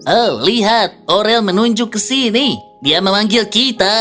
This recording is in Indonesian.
oh lihat orel menunjuk ke sini dia memanggil kita